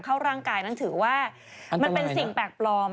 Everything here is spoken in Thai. เข้าร่างกายนั้นถือว่ามันเป็นสิ่งแปลกปลอม